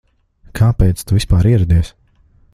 Kāpēc tu vispār ieradies?